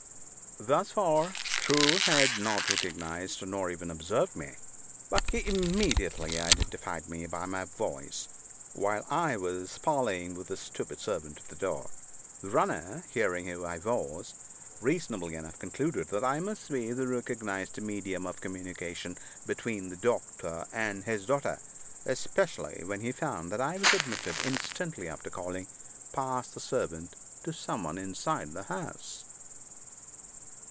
Thus far, Screw had not recognized, nor even observed me; but he immediately identified me by my voice, while I was parleying with the stupid servant at the door. The runner, hearing who I was, reasonably enough concluded that I must be the recognized medium of communication between the doctor and his daughter, especially when he found that I was admitted, instantly after calling, past the servant, to some one inside the house.